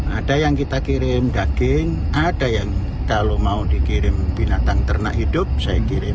ada yang kita kirim daging ada yang kalau mau dikirim binatang ternak hidup saya kirim